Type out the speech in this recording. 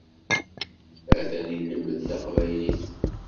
Atan ilemmed taqbaylit.